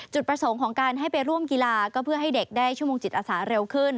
ประสงค์ของการให้ไปร่วมกีฬาก็เพื่อให้เด็กได้ชั่วโมงจิตอาสาเร็วขึ้น